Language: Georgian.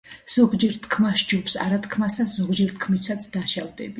ზოგჯერ თქმა ჯობს არა თქმასა ზოგჯერ თქმითაც დაშავდების